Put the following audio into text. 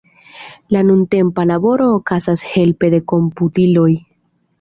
La nuntempa laboro okazas helpe de komputiloj.